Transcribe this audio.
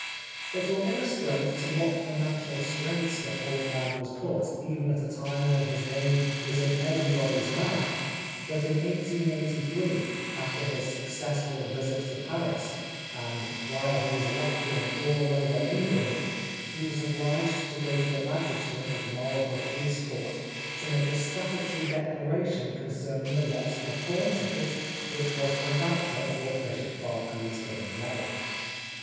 It will illustrate to what financial straits the poor man was put even at a time when his name was in everybody's mouth, that in 1883 after his successful visit to Paris, and while he was lecturing all over England, he was obliged to go to the magistrate at Marlborough Police Court to make a statutory declaration con cerning the loss of a pawn ticket which was the voucher for Bishop Berkeley's gold medal.